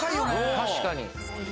確かに。